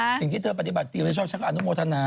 เหมือนที่เธอปฏิบัติดีไม่ชอบชักอนุโมธนา